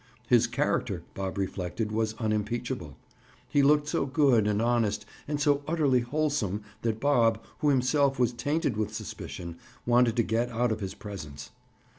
His character, Bob reflected, was unimpeachable. He looked so good and honest and so utterly wholesome that Bob, who himself was tainted with suspicion, wanted to get out of his presence.